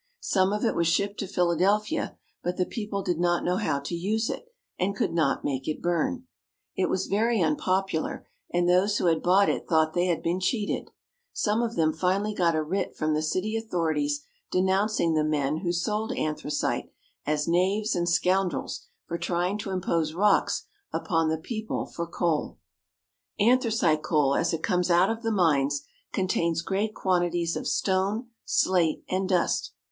Some of it was shipped to Philadelphia; but the people did not know how to use it, and could not make it burn. It was very unpopular, and those who had bought it thought they had been cheated. Some of them finally got a writ from the city authorities denouncing the men who sold anthracite as knaves and scoundrels for trying to impose rocks upon the people for coal. A Coal Breaker. 214 THE COAL REGIONS. Anthracite coal as it comes out of the mines contains great quantities of stone, slate, and dust.